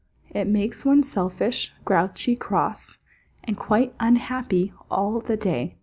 It makes one selfish, grouchy, cross, And quite unhappy all the day.